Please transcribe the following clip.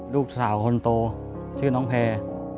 ลูกสาวคนโตชื่อน้องแพร่